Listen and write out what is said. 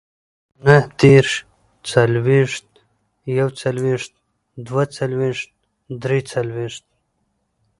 نههدېرش، څلوېښت، يوڅلوېښت، دوهڅلوېښت، دريڅلوېښت